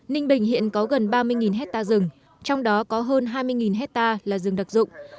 ninh bình hiện có gần ba mươi hectare rừng trong đó có hơn hai mươi hectare là rừng đặc dụng